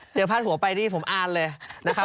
พาดหัวไปนี่ผมอ่านเลยนะครับ